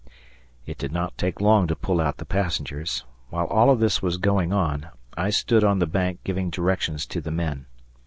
It did not take long to pull out the passengers. While all of this was going on, I stood on the bank giving directions to the men.